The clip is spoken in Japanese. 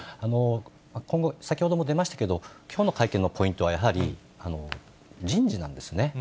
今後、先ほども出ましたけど、きょうの会見のポイントはやはり、人事なんですね。